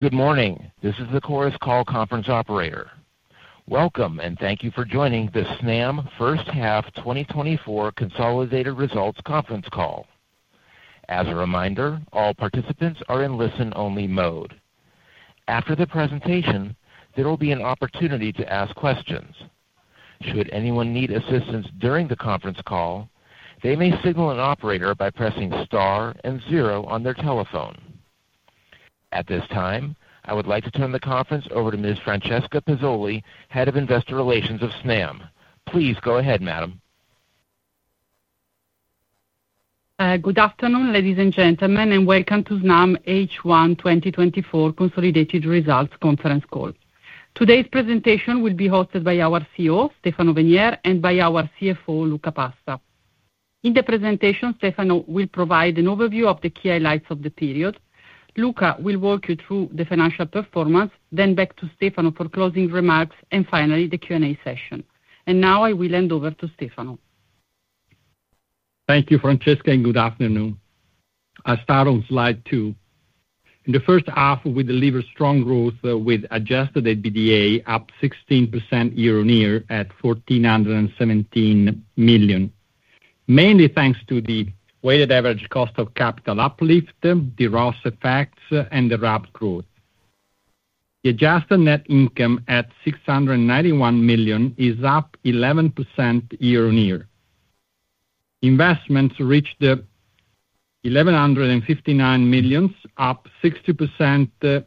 Good morning. This is the Chorus Call Conference Operator. Welcome, and thank you for joining the Snam First Half 2024 Consolidated Results Conference Call. As a reminder, all participants are in listen-only mode. After the presentation, there will be an opportunity to ask questions. Should anyone need assistance during the conference call, they may signal an operator by pressing Star and Zero on their telephone. At this time, I would like to turn the conference over to Ms. Francesca Pezzoli, Head of Investor Relations of Snam. Please go ahead, madam. Good afternoon, ladies and gentlemen, and welcome to Snam H1 2024 Consolidated Results Conference Call. Today's presentation will be hosted by our CEO, Stefano Venier, and by our CFO, Luca Passa. In the presentation, Stefano will provide an overview of the key highlights of the period. Luca will walk you through the financial performance, then back to Stefano for closing remarks and finally, the Q&A session. Now I will hand over to Stefano. Thank you, Francesca, and good afternoon. I start on slide 2. In the first half, we delivered strong growth with adjusted EBITDA up 16% year-on-year, at 1,417 million, mainly thanks to the weighted average cost of capital uplift, the ROSS effects, and the RAB growth. The adjusted net income at 691 million is up 11% year-on-year. Investments reached 1,159 million, up 60%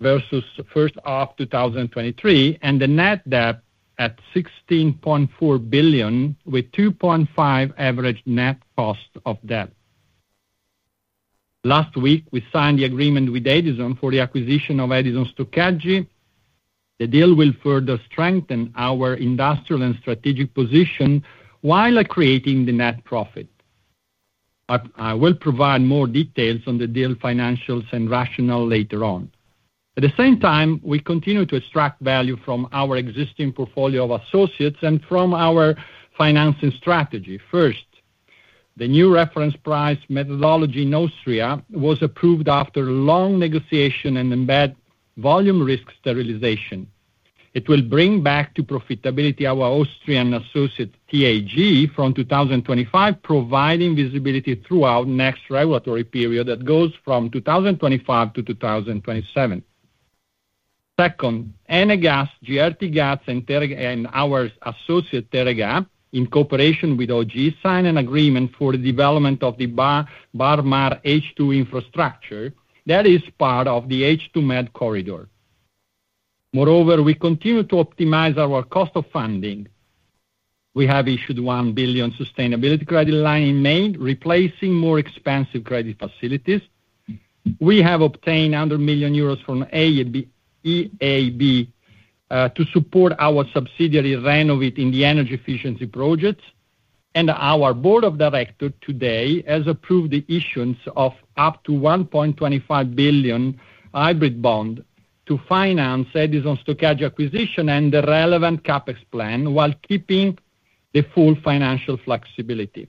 versus first half 2023, and the net debt at 16.4 billion, with 2.5% average net cost of debt. Last week, we signed the agreement with Edison for the acquisition of Edison Stoccaggio. The deal will further strengthen our industrial and strategic position while creating the net profit. I will provide more details on the deal financials and rationale later on. At the same time, we continue to extract value from our existing portfolio of associates and from our financing strategy. First, the new reference price methodology in Austria was approved after long negotiation and embed volume risk sterilization. It will bring back to profitability our Austrian associate, TAG, from 2025, providing visibility throughout next regulatory period that goes from 2025 to 2027. Second, Enagás, GRTgaz, and Teréga and our associate, Teréga, in cooperation with OGE, signed an agreement for the development of the BarMar H2 infrastructure that is part of the H2Med corridor. Moreover, we continue to optimize our cost of funding. We have issued 1 billion sustainability credit line in May, replacing more expensive credit facilities. We have obtained 100 million euros from EIB, to support our subsidiary, Renovit, in the energy efficiency projects, and our board of directors today has approved the issuance of up to 1.25 billion hybrid bond to finance Edison Stoccaggio acquisition and the relevant CapEx plan, while keeping the full financial flexibility.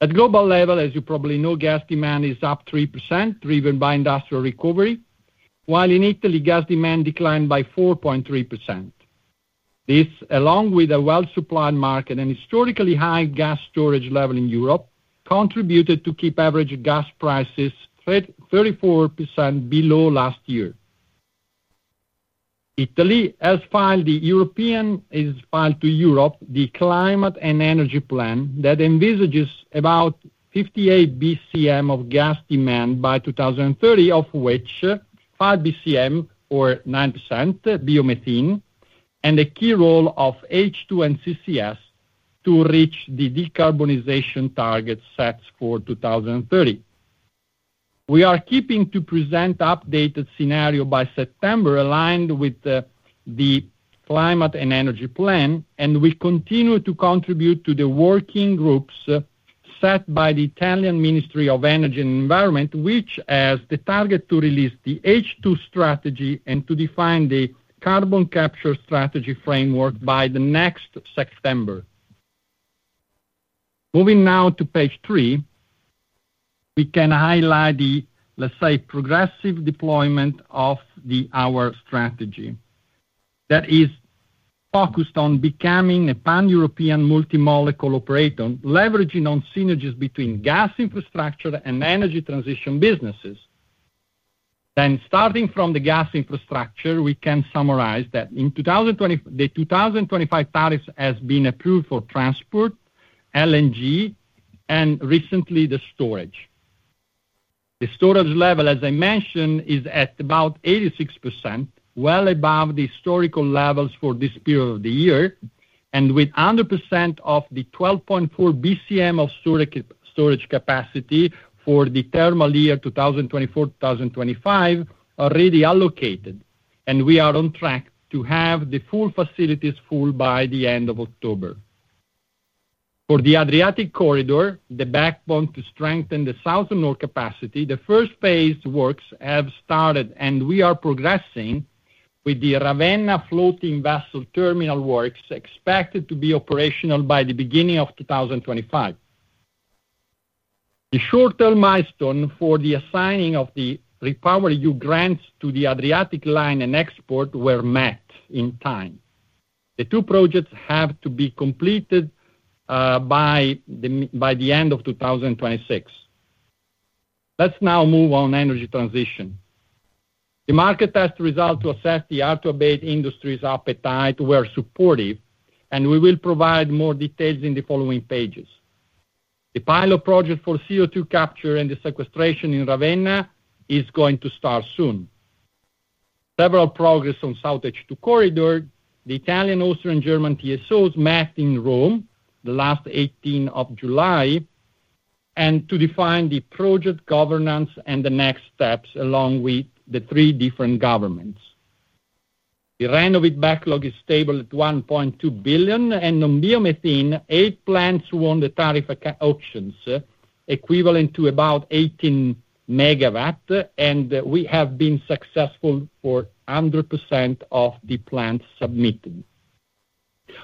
At global level, as you probably know, gas demand is up 3%, driven by industrial recovery, while in Italy, gas demand declined by 4.3%. This, along with a well-supplied market and historically high gas storage level in Europe, contributed to keep average gas prices 34% below last year. Italy has filed the European... has filed to Europe, the climate and energy plan that envisages about 58 BCM of gas demand by 2030, of which 5 BCM or 9% biomethane, and a key role of H2 and CCS to reach the decarbonization target sets for 2030. We are keeping to present updated scenario by September, aligned with, the climate and energy plan, and we continue to contribute to the working groups set by the Italian Ministry of Energy and Environment, which has the target to release the H2 strategy and to define the carbon capture strategy framework by the next September. Moving now to page 3, we can highlight the, let's say, progressive deployment of our strategy. That is focused on becoming a Pan-European multi-molecule operator, leveraging on synergies between gas infrastructure and energy transition businesses. Then, starting from the gas infrastructure, we can summarize that in 2020... The 2025 tariffs has been approved for transport, LNG, and recently, the storage. The storage level, as I mentioned, is at about 86%, well above the historical levels for this period of the year, and with 100% of the 12.4 BCM of storage capacity for the thermal year 2024-2025, already allocated, and we are on track to have the facilities full by the end of October. For the Adriatic Corridor, the backbone to strengthen the south and north capacity, the first phase works have started, and we are progressing with the Ravenna floating vessel terminal works, expected to be operational by the beginning of 2025.... The short-term milestone for the assigning of the REPowerEU grants to the Adriatic Line and export were met in time. The two projects have to be completed by the end of 2026. Let's now move on energy transition. The market test result to assess the hard-to-abate industry's appetite were supportive, and we will provide more details in the following pages. The pilot project for CO₂ capture and the sequestration in Ravenna is going to start soon. Several progress on SoutH2 Corridor, the Italian, Austrian, German TSOs met in Rome, the last eighteenth of July, and to define the project governance and the next steps, along with the three different governments. The Renovit backlog is stable at 1.2 billion, and on biomethane, 8 plants won the tariff auctions, equivalent to about 18 megawatts, and we have been successful for 100% of the plants submitted.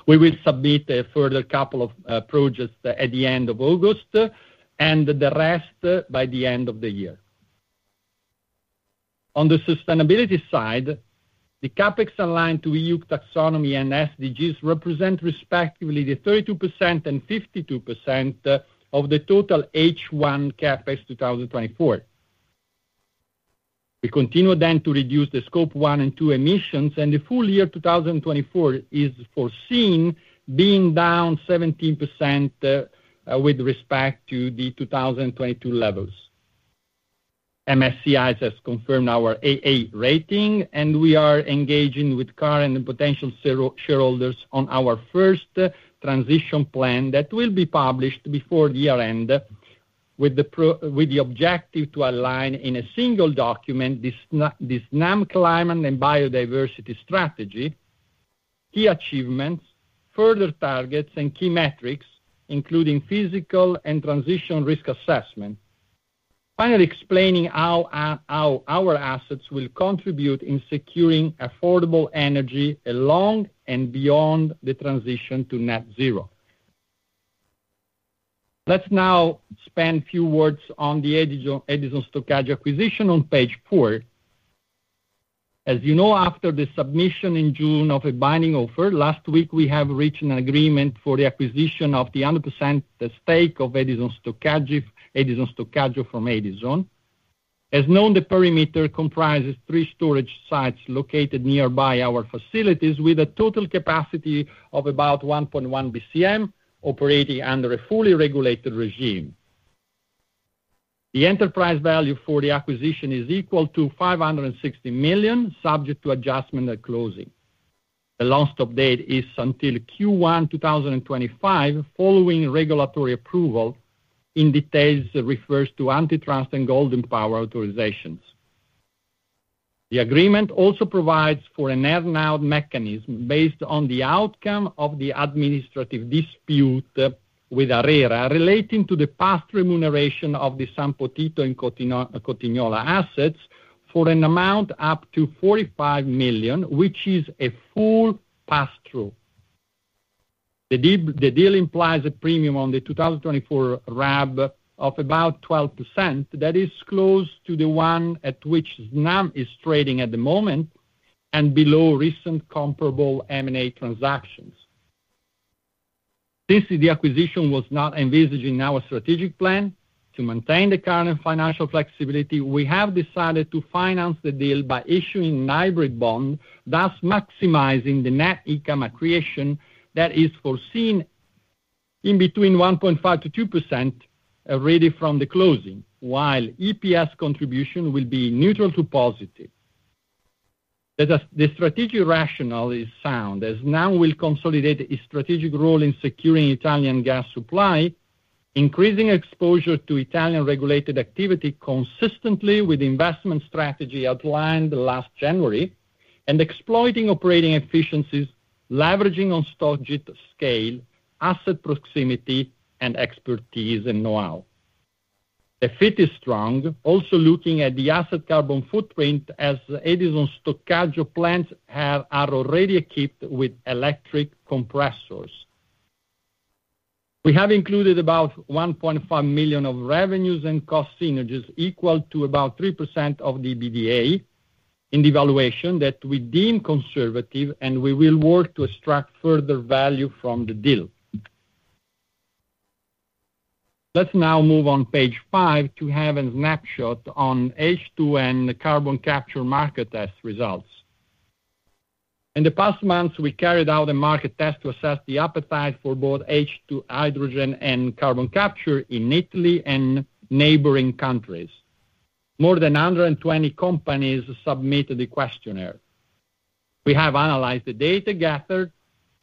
We will submit a further couple of projects at the end of August, and the rest by the end of the year. On the sustainability side, the CapEx aligned to EU taxonomy and SDGs represent respectively the 32% and 52% of the total H1 CapEx 2024. We continue then to reduce the scope one and two emissions, and the full year 2024 is foreseen being down 17% with respect to the 2022 levels. MSCI has confirmed our AA rating, and we are engaging with current and potential shareholders on our first transition plan that will be published before the year-end, with the objective to align in a single document, this Snam climate and biodiversity strategy, key achievements, further targets, and key metrics, including physical and transition risk assessment. Finally, explaining how our assets will contribute in securing affordable energy along and beyond the transition to net zero. Let's now spend a few words on the Edison Stoccaggio acquisition on page 4. As you know, after the submission in June of a binding offer, last week, we have reached an agreement for the acquisition of the 100% stake of Edison Stoccaggio from Edison. As known, the perimeter comprises three storage sites located nearby our facilities, with a total capacity of about 1.1 BCM, operating under a fully regulated regime. The enterprise value for the acquisition is equal to 560 million, subject to adjustment at closing. The last update is until Q1 2025, following regulatory approval in details refers to antitrust and Golden Power authorizations. The agreement also provides for an earn-out mechanism based on the outcome of the administrative dispute with ARERA, relating to the past remuneration of the San Potito and Cotignola assets for an amount up to 45 million, which is a full pass-through. The deal, the deal implies a premium on the 2024 RAB of about 12%. That is close to the one at which Snam is trading at the moment, and below recent comparable M&A transactions. This acquisition was not envisioned in our strategic plan. To maintain the current financial flexibility, we have decided to finance the deal by issuing a hybrid bond, thus maximizing the net income accretion that is foreseen between 1.5%-2% already from the closing, while EPS contribution will be neutral to positive. The strategic rationale is sound, as Snam will consolidate its strategic role in securing Italian gas supply, increasing exposure to Italian regulated activity consistently with the investment strategy outlined last January, and exploiting operating efficiencies, leveraging on Stogit scale, asset proximity, and expertise, and know-how. The fit is strong, also looking at the asset carbon footprint, as Edison Stoccaggio plants have, are already equipped with electric compressors. We have included about 1.5 million of revenues and cost synergies equal to about 3% of the EBITDA in the valuation that we deem conservative, and we will work to extract further value from the deal. Let's now move on page 5 to have a snapshot on H2 and the carbon capture market test results. In the past months, we carried out a market test to assess the appetite for both H2 hydrogen and carbon capture in Italy and neighboring countries. More than 120 companies submitted the questionnaire. We have analyzed the data gathered,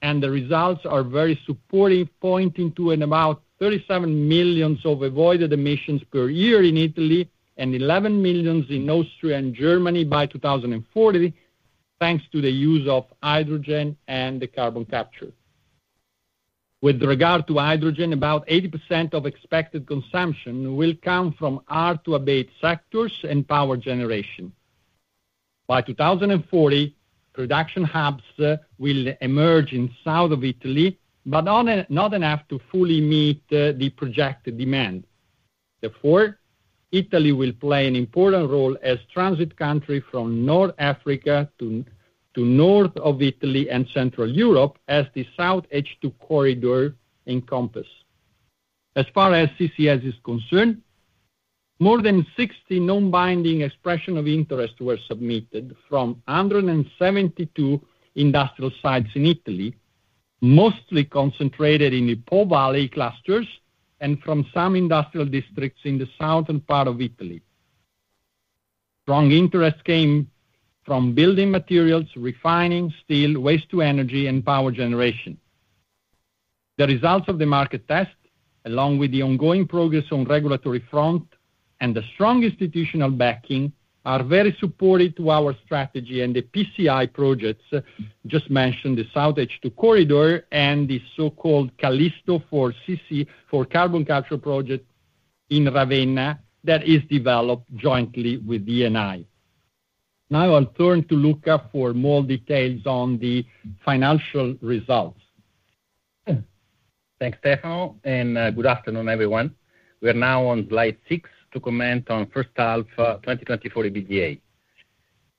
and the results are very supportive, pointing to an about 37 million of avoided emissions per year in Italy and 11 million in Austria and Germany by 2040, thanks to the use of hydrogen and the carbon capture. With regard to hydrogen, about 80% of expected consumption will come from hard-to-abate sectors and power generation. By 2040, production hubs will emerge in south of Italy, but not, not enough to fully meet the projected demand. Therefore, Italy will play an important role as transit country from North Africa to north of Italy and Central Europe, as the SoutH2 Corridor encompass. As far as CCS is concerned, more than 60 non-binding expression of interest were submitted from 172 industrial sites in Italy, mostly concentrated in the Po Valley clusters and from some industrial districts in the southern part of Italy. Strong interest came from building materials, refining, steel, waste to energy, and power generation. The results of the market test, along with the ongoing progress on the regulatory front and the strong institutional backing, are very supportive to our strategy and the PCI projects. Just mention the SoutH2 Corridor and the so-called Callisto for CCS, for carbon capture project in Ravenna, that is developed jointly with Eni. Now I'll turn to Luca for more details on the financial results. Thanks, Stefano, and good afternoon, everyone. We are now on slide six to comment on first half 2024 EBITDA.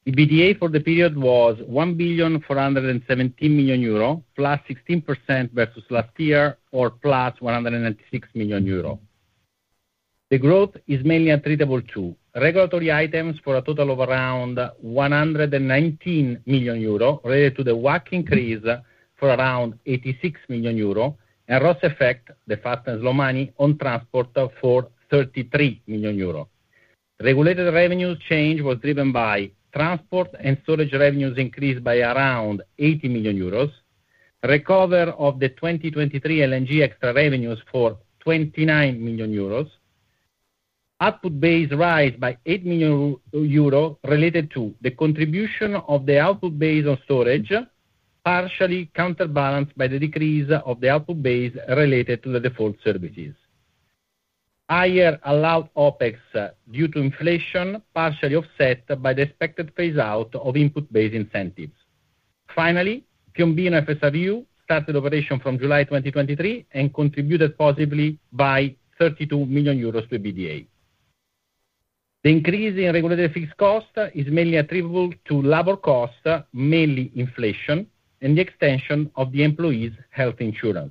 EBITDA for the period was 1,417 million euro, +16% versus last year or +196 million euro. The growth is mainly attributable to regulatory items for a total of around 119 million euro, related to the WACC increase for around 86 million euro, and ROSS effect, the fast and slow money, on transport for 33 million euro. Regulated revenues change was driven by transport and storage revenues increased by around 80 million euros. Recovery of the 2023 LNG extra revenues for 29 million euros. RAB rise by 8 million euros, related to the contribution of the RAB on storage, partially counterbalanced by the decrease of the RAB related to the default services. Higher allowed OpEx due to inflation, partially offset by the expected phase out of input-based incentives. Finally, Piombino FSRU started operation from July 2023 and contributed positively by 32 million euros to EBITDA. The increase in regulatory fixed cost is mainly attributable to labor costs, mainly inflation, and the extension of the employees' health insurance.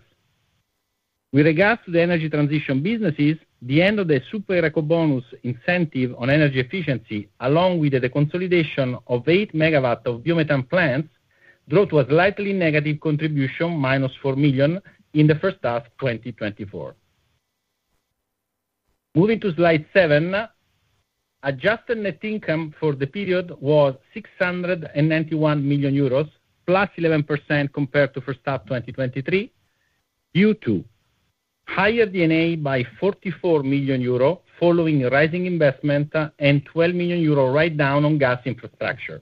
With regards to the energy transition businesses, the end of the Super Ecobonus incentive on energy efficiency, along with the consolidation of 8 MW of biomethane plants, drove to a slightly negative contribution, -4 million, in the first half 2024. Moving to slide 7. Adjusted net income for the period was 691 million euros, +11% compared to first half 2023, due to higher EBITDA by 44 million euro, following a rising investment and 12 million euro write-down on gas infrastructure.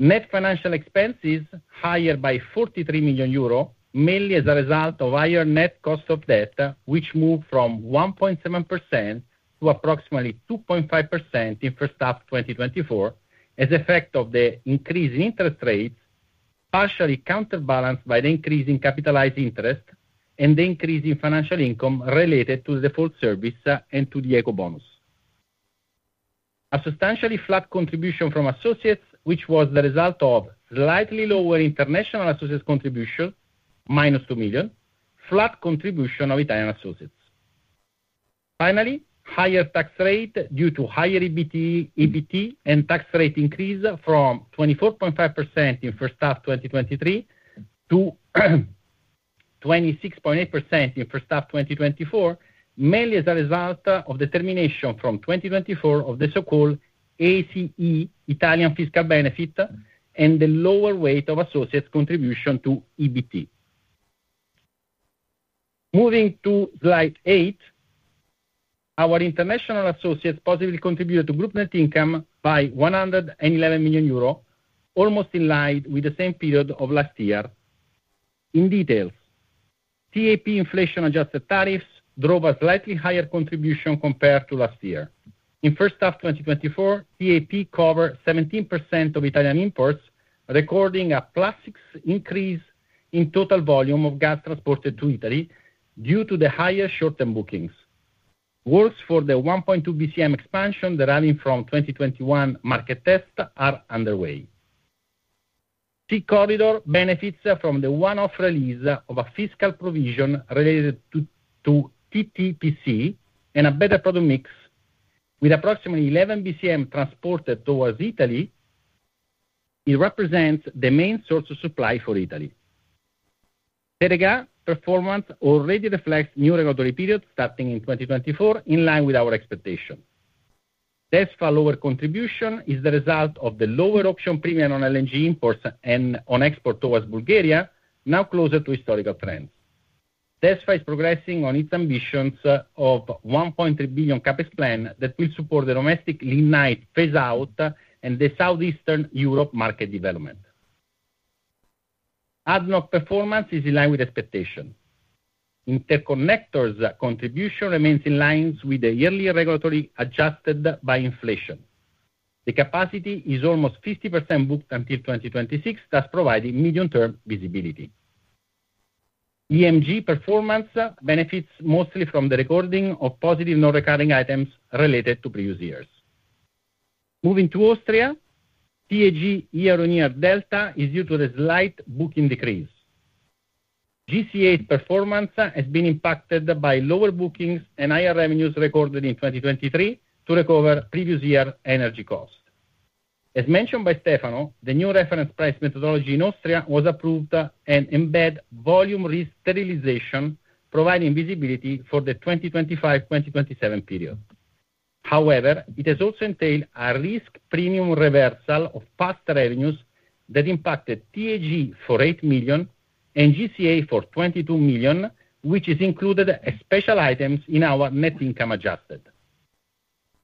Net financial expenses higher by 43 million euro, mainly as a result of higher net cost of debt, which moved from 1.7% to approximately 2.5% in first half 2024, as effect of the increase in interest rates, partially counterbalanced by the increase in capitalized interest and the increase in financial income related to the default service, and to the Eco Bonus. A substantially flat contribution from associates, which was the result of slightly lower international associates contribution, -2 million, flat contribution of Italian associates. Finally, higher tax rate due to higher EBT, EBT and tax rate increase from 24.5% in first half 2023 to 26.8% in first half 2024, mainly as a result of the termination from 2024 of the so-called ACE Italian fiscal benefit, and the lower weight of associates contribution to EBT. Moving to slide 8. Our international associates positively contributed to group net income by 111 million euro, almost in line with the same period of last year. In detail, TAP inflation-adjusted tariffs drove a slightly higher contribution compared to last year. In first half 2024, TAP covered 17% of Italian imports, recording a +6 increase in total volume of gas transported to Italy due to the higher short-term bookings. Works for the 1.2 BCM expansion, running from 2021 market test, are underway. SeaCorridor benefits from the one-off release of a fiscal provision related to, to TTPC and a better product mix. With approximately 11 BCM transported towards Italy, it represents the main source of supply for Italy. Teréga performance already reflects new regulatory period, starting in 2024, in line with our expectation. DESFA lower contribution is the result of the lower option premium on LNG imports and on export towards Bulgaria, now closer to historical trends. DESFA is progressing on its ambitions, of 1.3 billion CapEx plan that will support the domestic lignite phase out and the Southeastern Europe market development. ADNOC performance is in line with expectation. Interconnectors contribution remains in line with the yearly regulatory, adjusted by inflation. The capacity is almost 50% booked until 2026, thus providing medium-term visibility. EMG performance benefits mostly from the recording of positive non-recurring items related to previous years. Moving to Austria, TAG year-on-year delta is due to the slight booking decrease. GCA performance has been impacted by lower bookings and higher revenues recorded in 2023 to recover previous year energy cost. As mentioned by Stefano, the new reference price methodology in Austria was approved and embed volume risk sterilization, providing visibility for the 2025/2027 period. However, it has also entailed a risk premium reversal of past revenues that impacted TAG for 8 million and GCA for 22 million, which is included as special items in our net income adjusted.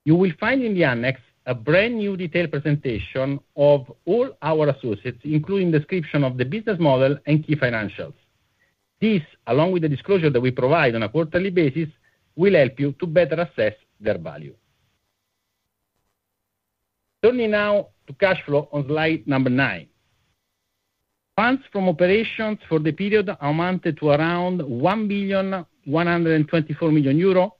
You will find in the annex a brand-new detailed presentation of all our associates, including description of the business model and key financials. This, along with the disclosure that we provide on a quarterly basis, will help you to better assess their value. Turning now to cash flow on slide number 9. Funds from operations for the period amounted to around 1,124 million euro,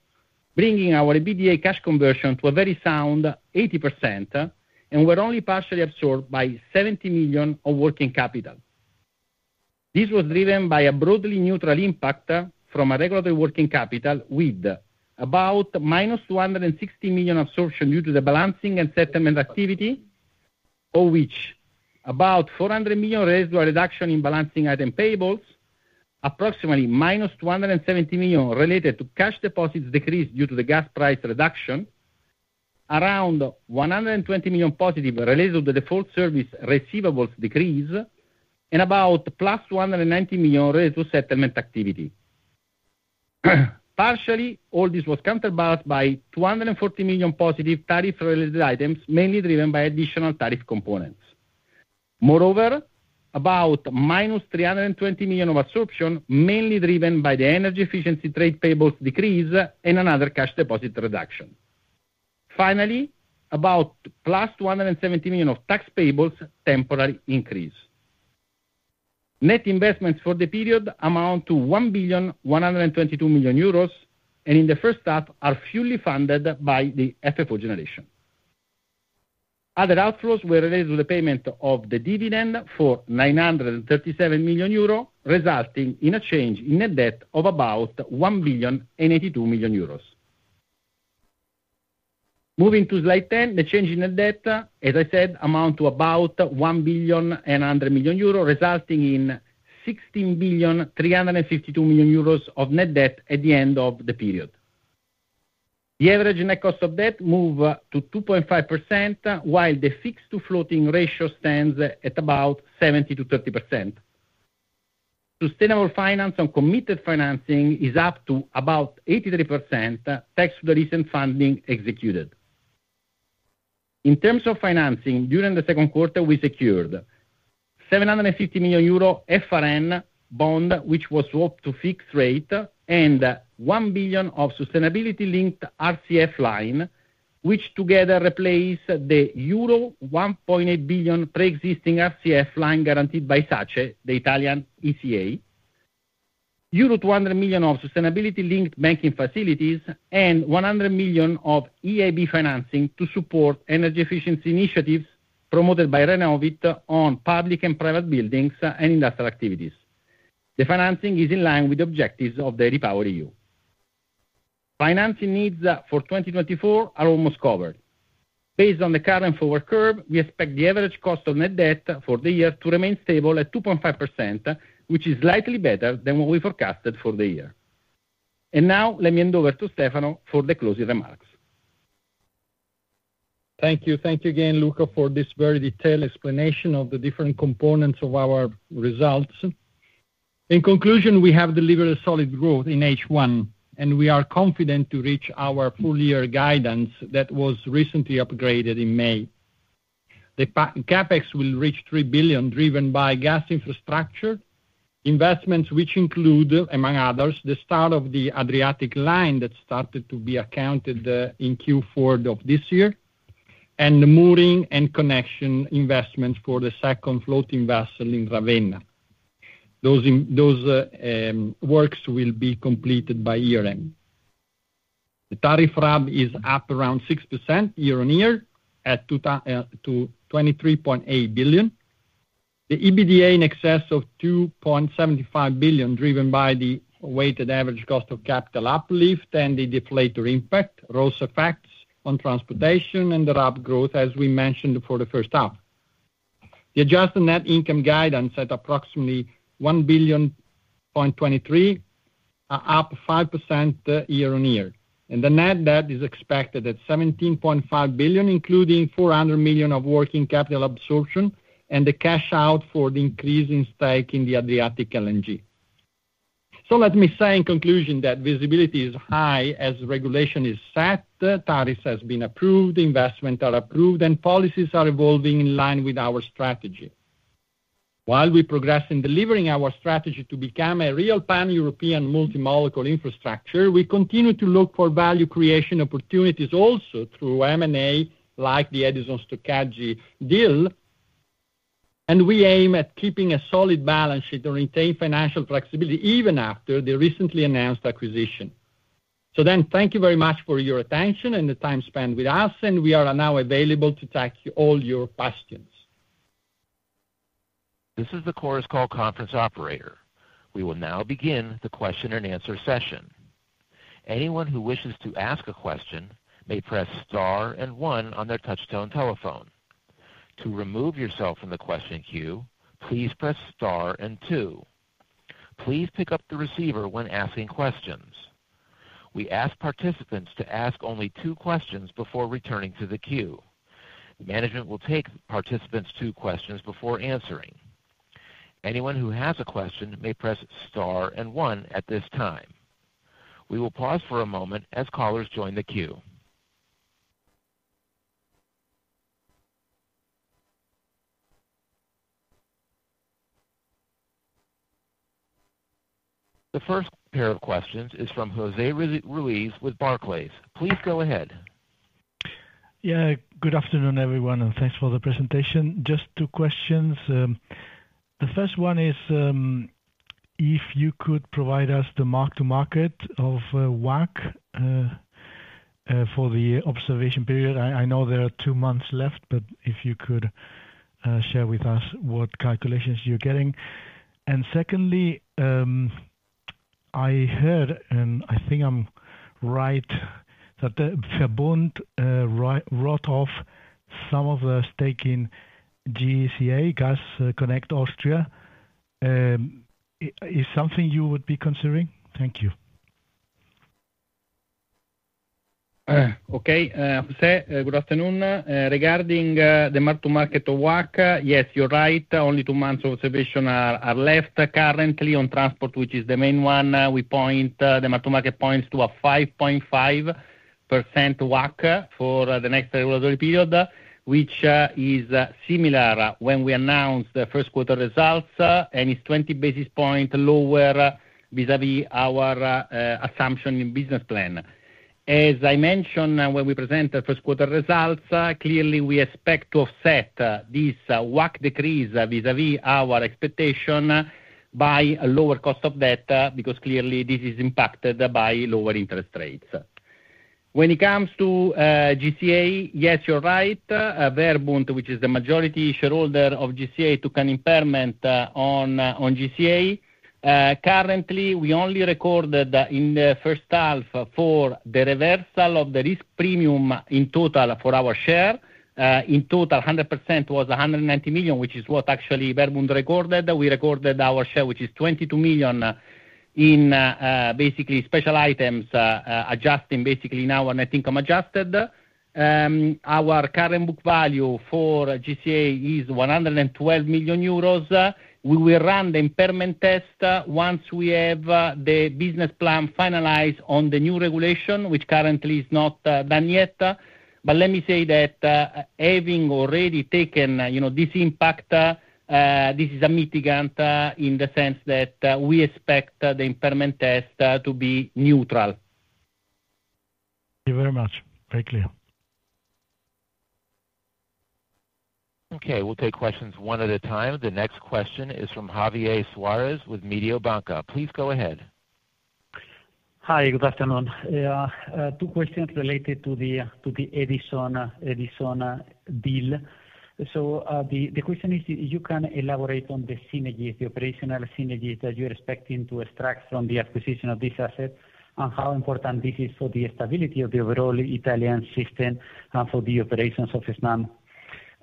bringing our EBITDA cash conversion to a very sound 80%, and were only partially absorbed by 70 million of working capital. This was driven by a broadly neutral impact from a regulatory working capital, with about -260 million absorption due to the balancing and settlement activity, of which about 400 million related to a reduction in balancing item payables, approximately -270 million related to cash deposits decreased due to the gas price reduction, around 120 million positive related to the default service receivables decrease, and about +190 million related to settlement activity. Partially, all this was counterbalanced by 240 million positive tariff-related items, mainly driven by additional tariff components. Moreover, about -320 million of absorption, mainly driven by the energy efficiency trade payables decrease and another cash deposit reduction. Finally, about +270 million of tax payables temporary increase. Net investments for the period amount to 1,122 million euros, and in the first half, are fully funded by the FFO generation. Other outflows were related to the payment of the dividend for 937 million euro, resulting in a change in net debt of about 1,082 million euros. Moving to slide 10, the change in net debt, as I said, amount to about 1,100 million euro, resulting in 16,352 million euros of net debt at the end of the period. The average net cost of debt move to 2.5%, while the fixed to floating ratio stands at about 70%-30%. Sustainable finance and committed financing is up to about 83%, thanks to the recent funding executed. In terms of financing, during the second quarter, we secured 750 million euro FRN bond, which was swapped to fixed rate, and 1 billion sustainability-linked RCF line, which together replaced the euro 1.8 billion preexisting RCF line guaranteed by SACE, the Italian ECA. Euro 100 million of sustainability-linked banking facilities, and 100 million of EIB financing to support energy efficiency initiatives promoted by Renovit on public and private buildings and industrial activities. The financing is in line with the objectives of the REPowerEU. Financing needs for 2024 are almost covered. Based on the current forward curve, we expect the average cost of net debt for the year to remain stable at 2.5%, which is slightly better than what we forecasted for the year. And now let me hand over to Stefano for the closing remarks. Thank you. Thank you again, Luca, for this very detailed explanation of the different components of our results. In conclusion, we have delivered a solid growth in H1, and we are confident to reach our full year guidance that was recently upgraded in May. The CapEx will reach 3 billion, driven by gas infrastructure, investments which include, among others, the start of the Adriatic Line that started to be accounted, in Q4 of this year, and the mooring and connection investments for the second floating vessel in Ravenna. Those works will be completed by year-end. The tariff RAB is up around 6% year-on-year at 23.8 billion. The EBITDA in excess of 2.75 billion, driven by the weighted average cost of capital uplift and the deflator impact, regulatory effects on transportation and the RAB growth, as we mentioned, for the first half. The adjusted net income guidance at approximately 1.023 billion, up 5% year-on-year. And the net debt is expected at 17.5 billion, including 400 million of working capital absorption and the cash out for the increase in stake in the Adriatic LNG.... So let me say in conclusion, that visibility is high as regulation is set, tariffs has been approved, investment are approved, and policies are evolving in line with our strategy. While we progress in delivering our strategy to become a real pan-European multi-molecular infrastructure, we continue to look for value creation opportunities also through M&A, like the Edison Stoccaggio deal, and we aim at keeping a solid balance sheet to retain financial flexibility even after the recently announced acquisition. So then, thank you very much for your attention and the time spent with us, and we are now available to take all your questions. This is the Chorus Call conference operator. We will now begin the question and answer session. Anyone who wishes to ask a question may press star and one on their touchtone telephone. To remove yourself from the question queue, please press star and two. Please pick up the receiver when asking questions. We ask participants to ask only two questions before returning to the queue. Management will take participants two questions before answering. Anyone who has a question may press star and one at this time. We will pause for a moment as callers join the queue. The first pair of questions is from Jose Ruiz with Barclays. Please go ahead. Yeah, good afternoon, everyone, and thanks for the presentation. Just two questions. The first one is, if you could provide us the mark to market of, WACC, for the observation period. I know there are two months left, but if you could, share with us what calculations you're getting. And secondly, I heard, and I think I'm right, that the Verbund, wrote off some of the stake in GCA, Gas Connect Austria. Is something you would be considering? Thank you. Okay, Jose, good afternoon. Regarding the mark to market of WACC, yes, you're right, only two months observation are left currently on transport, which is the main one. The mark to market points to a 5.5% WACC for the next regulatory period, which is similar when we announced the first quarter results, and is twenty basis point lower vis-à-vis our assumption in business plan. As I mentioned, when we present the first quarter results, clearly, we expect to offset this WACC decrease vis-à-vis our expectation by a lower cost of debt, because clearly this is impacted by lower interest rates. When it comes to GCA, yes, you're right. Verbund, which is the majority shareholder of GCA, took an impairment on GCA. Currently, we only recorded in the first half for the reversal of the risk premium in total for our share. In total, 100% was 190 million, which is what actually Verbund recorded. We recorded our share, which is 22 million, in basically special items, adjusting basically now net income adjusted. Our current book value for GCA is 112 million euros. We will run the impairment test once we have the business plan finalized on the new regulation, which currently is not done yet. But let me say that, having already taken, you know, this impact, this is a mitigant in the sense that we expect the impairment test to be neutral. Thank you very much. Very clear. Okay, we'll take questions one at a time. The next question is from Javier Suarez with Mediobanca. Please go ahead. Hi, good afternoon. Two questions related to the Edison deal. So, the question is, you can elaborate on the synergies, the operational synergies that you're expecting to extract from the acquisition of this asset and how important this is for the stability of the overall Italian system and for the operations of Snam.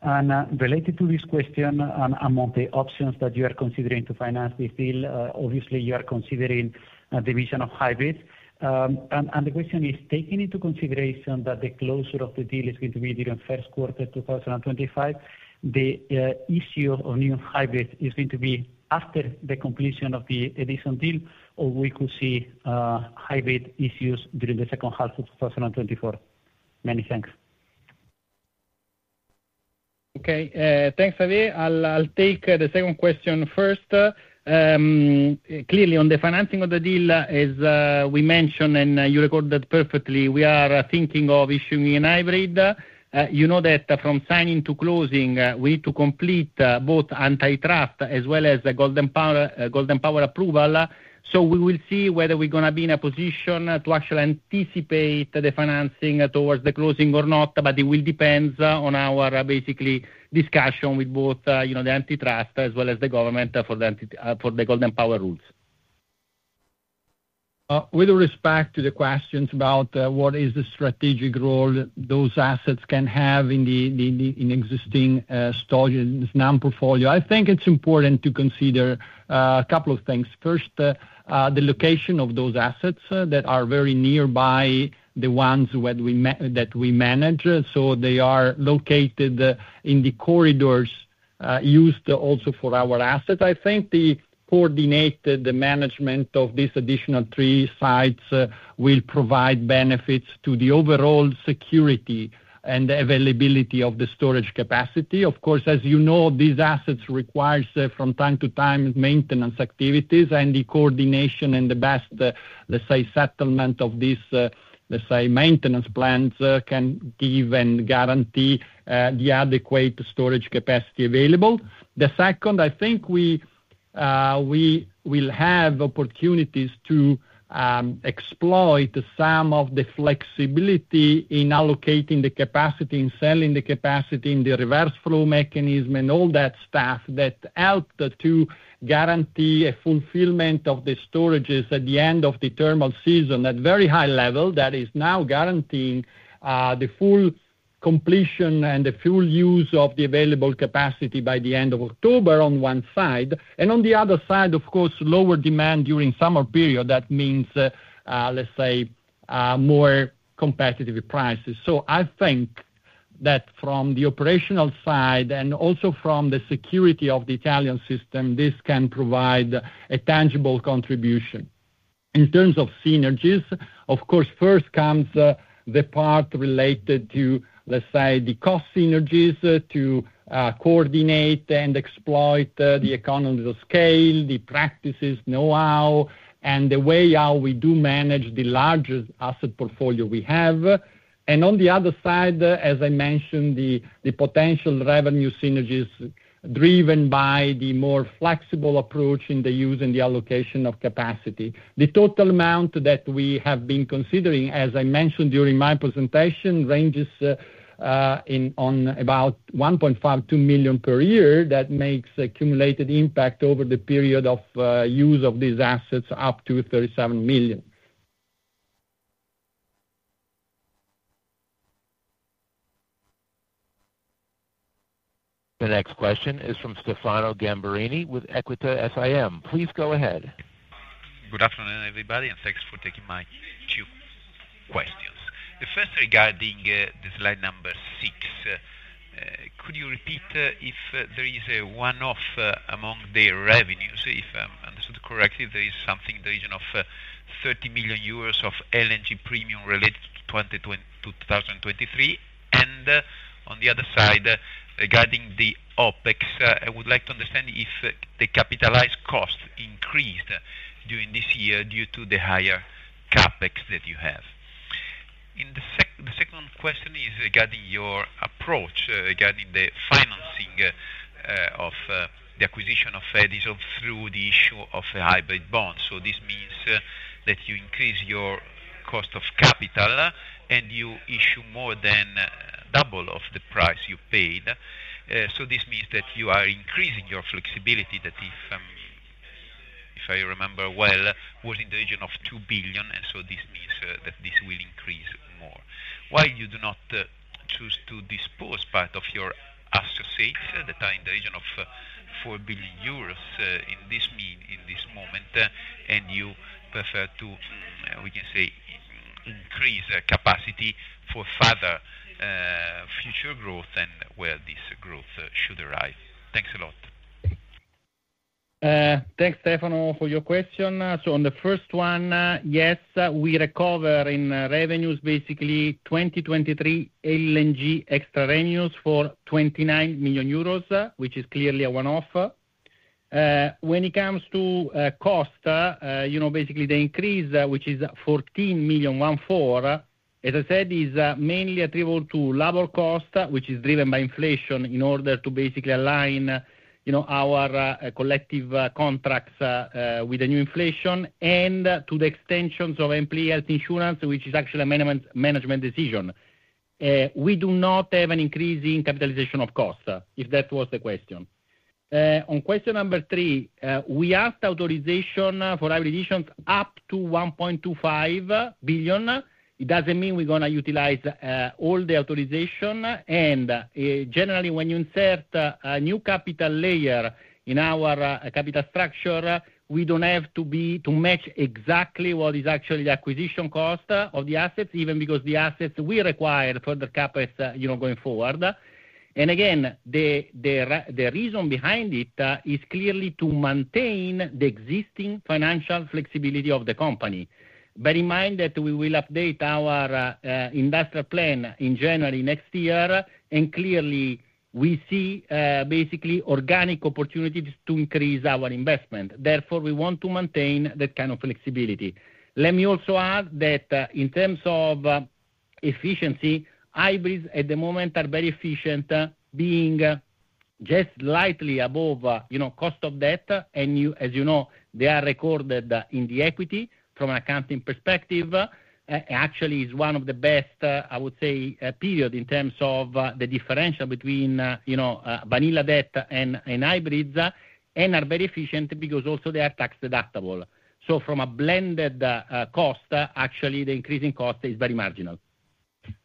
And, related to this question, and among the options that you are considering to finance this deal, obviously you are considering the issuance of hybrids. And the question is, taking into consideration that the closure of the deal is going to be during the first quarter 2025, the issue of new hybrids is going to be after the completion of the Edison deal, or we could see hybrid issues during the second half of 2024. Many thanks. Okay, thanks, Javier. I'll take the second question first. Clearly, on the financing of the deal, as we mentioned, and you recorded perfectly, we are thinking of issuing a hybrid. You know that from signing to closing, we need to complete both antitrust as well as the Golden Power approval. So we will see whether we're gonna be in a position to actually anticipate the financing towards the closing or not, but it will depends on our basically discussion with both, you know, the antitrust as well as the government for the Golden Power rules. With respect to the questions about what is the strategic role those assets can have in the existing storage Snam portfolio, I think it's important to consider a couple of things. First, the location of those assets that are very nearby, the ones that we manage. So they are located in the corridors used also for our assets. I think the coordinated management of these additional three sites will provide benefits to the overall security and availability of the storage capacity. Of course, as you know, these assets requires from time to time maintenance activities and the coordination and the best, let's say, settlement of these, let's say, maintenance plans can give and guarantee the adequate storage capacity available. The second, I think we, we will have opportunities to, exploit some of the flexibility in allocating the capacity, in selling the capacity, in the reverse flow mechanism and all that stuff that help to guarantee a fulfillment of the storages at the end of the thermal season at very high level. That is now guaranteeing, the full completion and the full use of the available capacity by the end of October, on one side, and on the other side, of course, lower demand during summer period. That means, let's say, more competitive prices. So I think that from the operational side and also from the security of the Italian system, this can provide a tangible contribution. In terms of synergies, of course, first comes the part related to, let's say, the cost synergies, to coordinate and exploit the economies of scale, the practices, know-how, and the way how we do manage the largest asset portfolio we have. And on the other side, as I mentioned, the potential revenue synergies driven by the more flexible approach in the use and the allocation of capacity. The total amount that we have been considering, as I mentioned during my presentation, ranges in on about 1.52 million per year. That makes accumulated impact over the period of use of these assets, up to 37 million. The next question is from Stefano Gamberini with Equita SIM. Please go ahead. Good afternoon, everybody, and thanks for taking my two questions. The first, regarding, the slide number 6. Could you repeat, if there is a one-off, among the revenues? If, I understood correctly, there is something in the region of, 30 million euros of LNG premium related to 2022 and 2023. And on the other side, regarding the OpEx, I would like to understand if the capitalized costs increased during this year due to the higher CapEx that you have. The second question is regarding your approach, regarding the financing, of, the acquisition of Edison through the issue of a hybrid bond. So this means that you increase your cost of capital, and you issue more than double of the price you paid. So this means that you are increasing your flexibility, that if I remember well, was in the region of 2 billion, and so this means that this will increase more. Why you do not choose to dispose part of your associates that are in the region of 4 billion euros, in the meantime, in this moment, and you prefer to, we can say, increase the capacity for further future growth and where this growth should arise? Thanks a lot. Thanks, Stefano, for your question. So on the first one, yes, we recover in revenues, basically 2023 LNG extra revenues for 29 million euros, which is clearly a one-off. When it comes to cost, you know, basically the increase, which is 14 million, as I said, is mainly attributable to labor cost, which is driven by inflation, in order to basically align, you know, our collective contracts with the new inflation, and to the extensions of employee health insurance, which is actually a management decision. We do not have an increase in capitalization of cost, if that was the question. On question number three, we asked authorization for our additions up to 1.25 billion. It doesn't mean we're gonna utilize all the authorization. Generally, when you insert a new capital layer in our capital structure, we don't have to be to match exactly what is actually the acquisition cost of the assets, even because the assets we require for the CapEx, you know, going forward. The reason behind it is clearly to maintain the existing financial flexibility of the company. Bear in mind that we will update our industrial plan in January next year, and clearly we see basically organic opportunities to increase our investment. Therefore, we want to maintain that kind of flexibility. Let me also add that in terms of efficiency, hybrids at the moment are very efficient, being just slightly above, you know, cost of debt. You, as you know, they are recorded in the equity from an accounting perspective. Actually, it's one of the best, I would say, period in terms of, the differential between, you know, vanilla debt and, and hybrids, and are very efficient because also they are tax deductible. So from a blended, cost, actually the increasing cost is very marginal.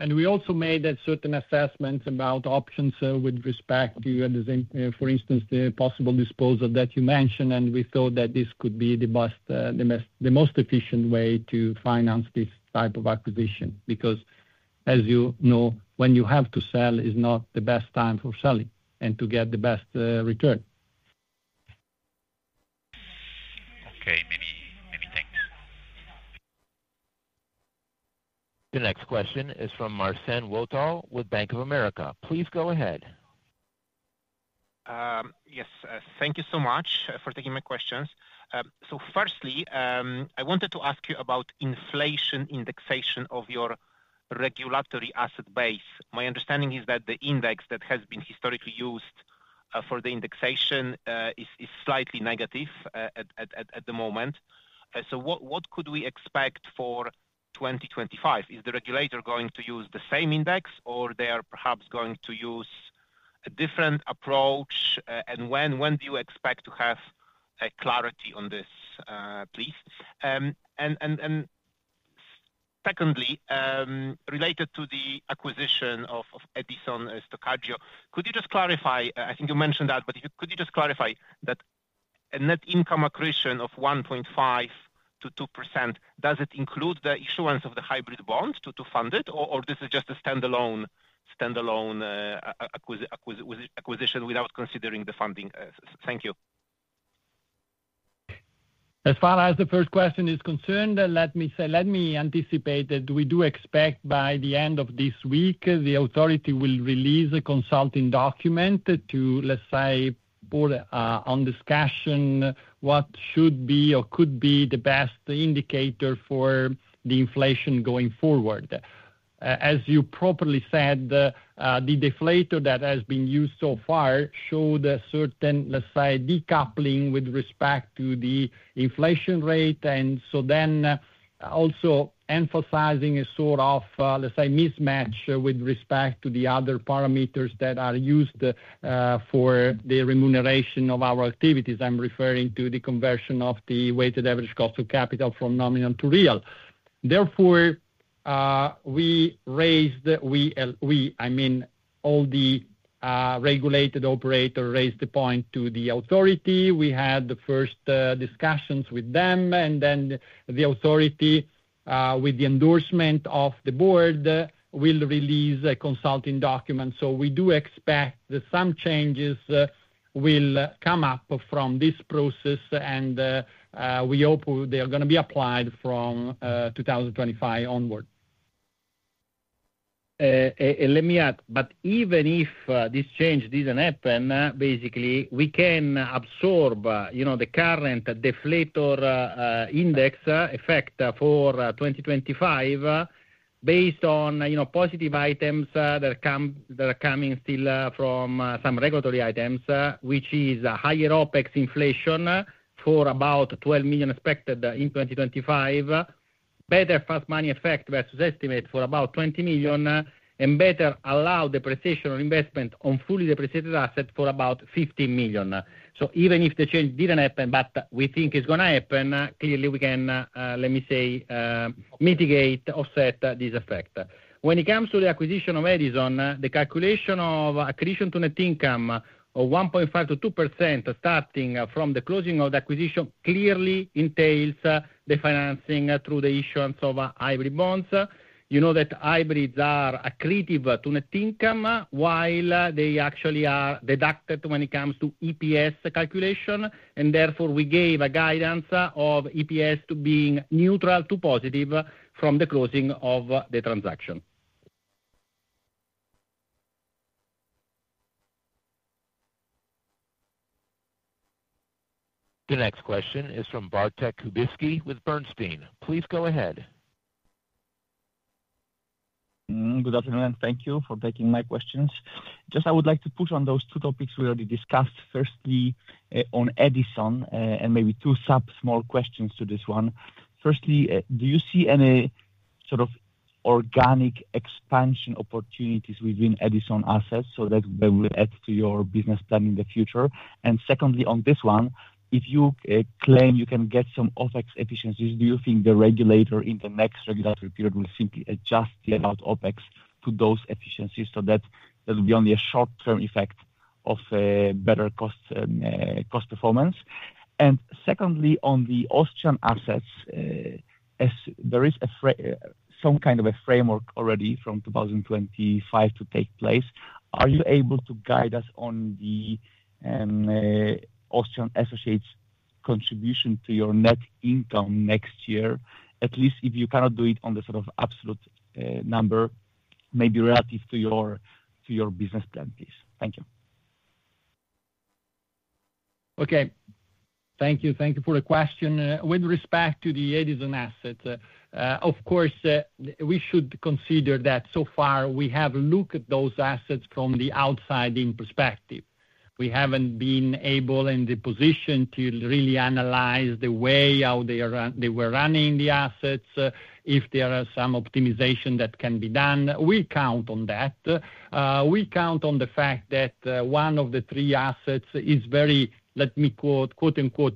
We also made a certain assessment about options, with respect to, the thing, for instance, the possible disposal that you mentioned, and we thought that this could be the best, the most, the most efficient way to finance this type of acquisition. Because-... as you know, when you have to sell is not the best time for selling and to get the best return. Okay, maybe, maybe thanks. The next question is from Marcin Wojtal with Bank of America. Please go ahead. Yes, thank you so much for taking my questions. So firstly, I wanted to ask you about inflation indexation of your regulatory asset base. My understanding is that the index that has been historically used for the indexation is slightly negative at the moment. So what could we expect for 2025? Is the regulator going to use the same index, or they are perhaps going to use a different approach? And when do you expect to have clarity on this, please? And secondly, related to the acquisition of Edison Stoccaggio, could you just clarify, I think you mentioned that, but could you just clarify that a net income accretion of 1.5%-2%, does it include the issuance of the hybrid bond to fund it, or this is just a standalone acquisition without considering the funding? Thank you. As far as the first question is concerned, let me say. Let me anticipate that we do expect by the end of this week, the authority will release a consulting document to, let's say, put on discussion what should be or could be the best indicator for the inflation going forward. As you properly said, the deflator that has been used so far showed a certain, let's say, decoupling with respect to the inflation rate, and so then also emphasizing a sort of, let's say, mismatch with respect to the other parameters that are used for the remuneration of our activities. I'm referring to the conversion of the weighted average cost of capital from nominal to real. Therefore, we raised, I mean, all the regulated operator raised the point to the authority. We had the first discussions with them, and then the authority, with the endorsement of the board, will release a consulting document. So we do expect that some changes will come up from this process, and we hope they are gonna be applied from 2025 onward. And let me add, but even if this change didn't happen, basically, we can absorb, you know, the current deflator index effect for 2025, based on, you know, positive items that come, that are coming still from some regulatory items, which is a higher OpEx inflation for about 12 million expected in 2025. Better cash money effect versus estimate for about 20 million, and better allowable depreciation on investment on fully depreciated asset for about 15 million. So even if the change didn't happen, but we think it's gonna happen, clearly we can, let me say, mitigate, offset, this effect. When it comes to the acquisition of Edison, the calculation of accretion to net income of 1.5%-2%, starting from the closing of the acquisition, clearly entails the financing through the issuance of hybrid bonds. You know that hybrids are accretive to net income, while they actually are deducted when it comes to EPS calculation, and therefore, we gave a guidance of EPS to being neutral to positive from the closing of the transaction. The next question is from Bartek Kubicki with Bernstein. Please go ahead. Good afternoon, thank you for taking my questions. Just I would like to push on those two topics we already discussed. Firstly, on Edison, and maybe two sub small questions to this one. Firstly, do you see any sort of organic expansion opportunities within Edison assets so that they will add to your business plan in the future? And secondly, on this one, if you claim you can get some OpEx efficiencies, do you think the regulator in the next regulatory period will simply adjust the amount of OpEx to those efficiencies so that there will be only a short-term effect of a better cost, cost performance? And secondly, on the Austrian assets, as there is some kind of a framework already from 2025 to take place, are you able to guide us on the Austrian associates' contribution to your net income next year? At least if you cannot do it on the sort of absolute number, maybe relative to your business plan, please. Thank you. Okay, thank you. Thank you for the question. With respect to the Edison assets, of course, we should consider that so far we have looked at those assets from the outside-in perspective. We haven't been able in the position to really analyze the way how they are run—they were running the assets, if there are some optimization that can be done. We count on that. We count on the fact that one of the three assets is very, let me quote,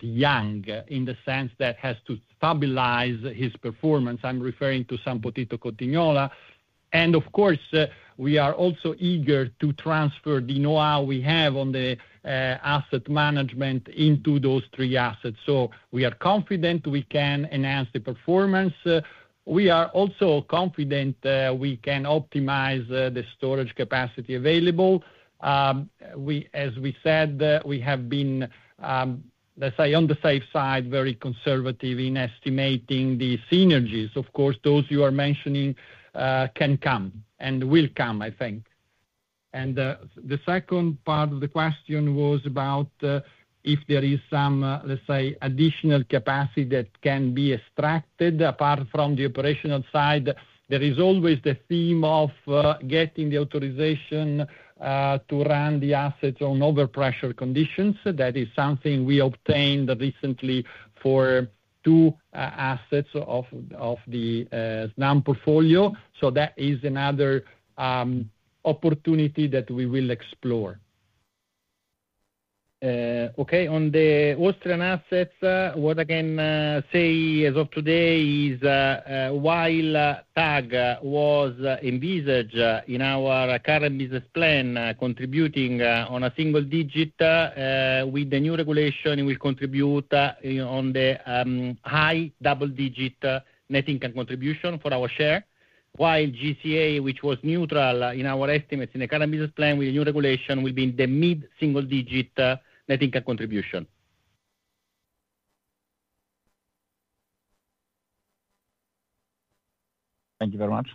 "young," in the sense that has to stabilize his performance. I'm referring to San Potito Cotignola. Of course, we are also eager to transfer the know-how we have on the asset management into those three assets. So we are confident we can enhance the performance. We are also confident we can optimize the storage capacity available. We, as we said, we have been, let's say, on the safe side, very conservative in estimating the synergies. Of course, those you are mentioning, can come and will come, I think. The second part of the question was about, if there is some, let's say, additional capacity that can be extracted. Apart from the operational side, there is always the theme of, getting the authorization, to run the assets on overpressure conditions. That is something we obtained recently for two assets of the Snam portfolio. That is another, opportunity that we will explore. Okay, on the Austrian assets, what I can say as of today is, while TAG was envisaged in our current business plan, contributing on a single digit, with the new regulation, we contribute on the high double-digit net income contribution for our share. While GCA, which was neutral in our estimates in the current business plan, with the new regulation, will be in the mid-single digit net income contribution. Thank you very much.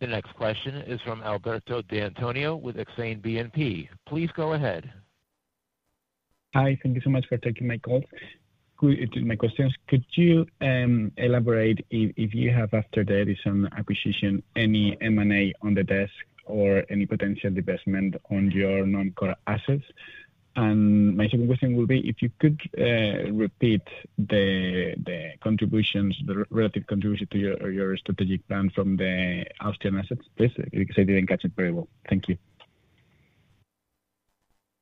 The next question is from Alberto D'Antonio with Exane BNP. Please go ahead. Hi, thank you so much for taking my call. My questions, could you elaborate if you have, after the Edison acquisition, any M&A on the desk or any potential divestment on your non-core assets? And my second question will be, if you could repeat the relative contribution to your strategic plan from the Austrian assets, please, because I didn't catch it very well. Thank you.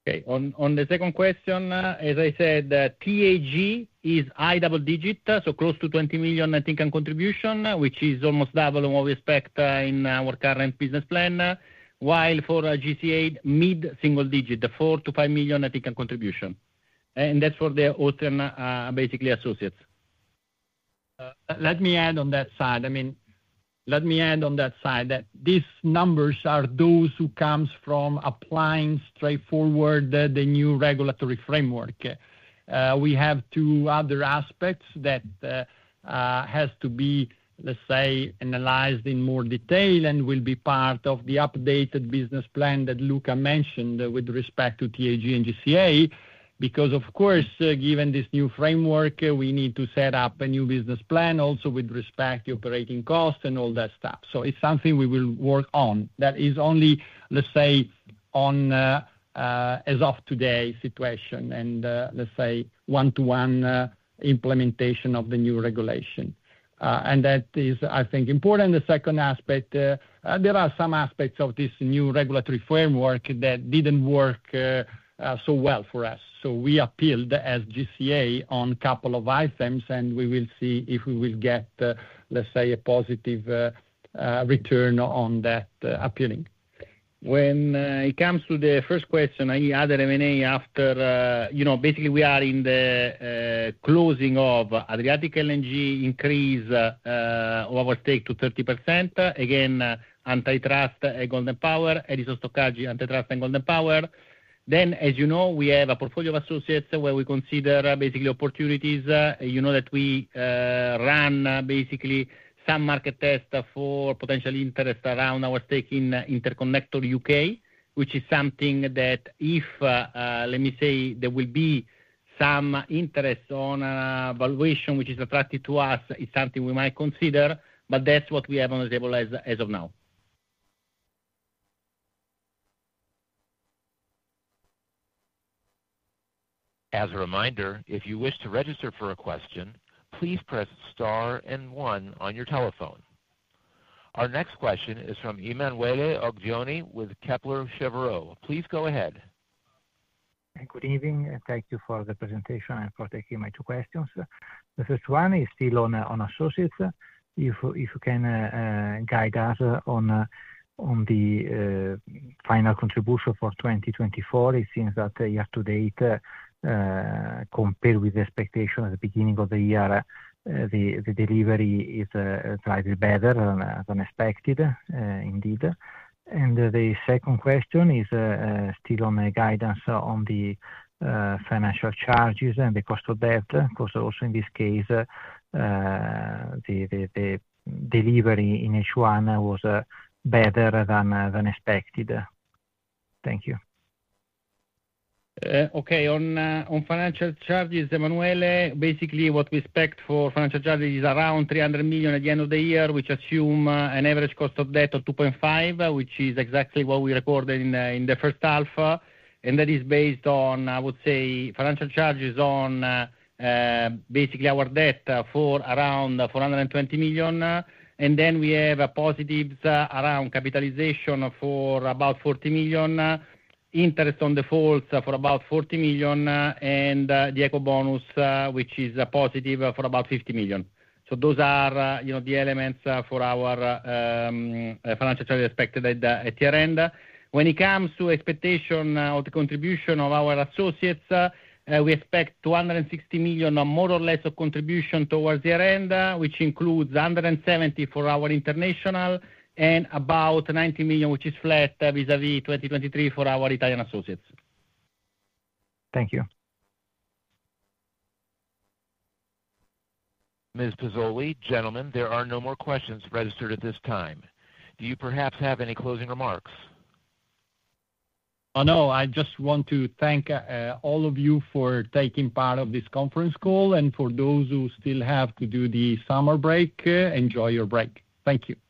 Okay. On the second question, as I said, TAG is high double digit, so close to 20 million, I think, on contribution, which is almost double what we expect in our current business plan. While for GCA, mid-single digit, the 4-5 million, I think, on contribution. And that's for the Austrian, basically, associates. Let me add on that side, I mean, let me add on that side, that these numbers are those who comes from applying straightforward the new regulatory framework. We have two other aspects that has to be, let's say, analyzed in more detail and will be part of the updated business plan that Luca mentioned with respect to TAG and GCA. Because, of course, given this new framework, we need to set up a new business plan also with respect to operating costs and all that stuff. So it's something we will work on. That is only, let's say, on the, as of today situation and, let's say, one-to-one implementation of the new regulation. And that is, I think, important. The second aspect, there are some aspects of this new regulatory framework that didn't work so well for us, so we appealed as GCA on a couple of items, and we will see if we will get, let's say, a positive return on that appealing. When it comes to the first question, any other M&A after, you know, basically, we are in the closing of Adriatic LNG increase, our stake to 30%. Again, antitrust, Golden Power, Edison Stoccaggio, antitrust, and Golden Power. Then, as you know, we have a portfolio of associates where we consider basically opportunities, you know, that we run basically some market test for potential interest around our stake in Interconnector U.K., which is something that if, let me say, there will be some interest on valuation, which is attractive to us, it's something we might consider, but that's what we have on the table as of now. As a reminder, if you wish to register for a question, please press star and one on your telephone. Our next question is from Emanuele Oggioni with Kepler Cheuvreux. Please go ahead. Good evening, and thank you for the presentation and for taking my two questions. The first one is still on associates. If you can guide us on the final contribution for 2024. It seems that year to date, compared with the expectation at the beginning of the year, the delivery is slightly better than as expected, indeed. The second question is still on the guidance on the financial charges and the cost of debt, because also in this case, the delivery in H1 was better than expected. Thank you. Okay. On financial charges, Emanuele, basically, what we expect for financial charges is around 300 million at the end of the year, which assume an average cost of debt of 2.5%, which is exactly what we recorded in the first half. And that is based on, I would say, financial charges on basically our debt for around 420 million. And then we have positives around capitalization for about 40 million, interest on defaults for about 40 million, and the eco bonus, which is a positive for about 50 million. So those are, you know, the elements for our financial charges expected at year-end. When it comes to expectation of the contribution of our associates, we expect 260 million, more or less, of contribution towards the year-end, which includes one hundred and seventy for our international and about 90 million, which is flat, vis-à-vis 2023 for our Italian associates. Thank you. Ms. Pezzoli, gentlemen, there are no more questions registered at this time. Do you perhaps have any closing remarks? Oh, no. I just want to thank all of you for taking part of this conference call, and for those who still have to do the summer break, enjoy your break. Thank you.